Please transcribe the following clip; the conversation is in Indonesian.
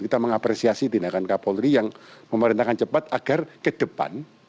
kita mengapresiasi tindakan kapolri yang memerintahkan cepat agar ke depan